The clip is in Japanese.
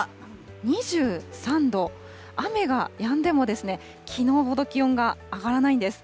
２３度、雨がやんでもきのうほど気温が上がらないんです。